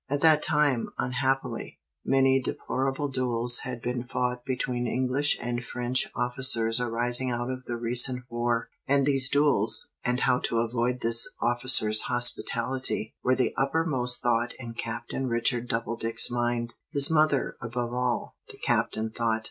At that time, unhappily, many deplorable duels had been fought between English and French officers arising out of the recent war; and these duels, and how to avoid this officer's hospitality, were the uppermost thought in Captain Richard Doubledick's mind. "His mother, above all," the Captain thought.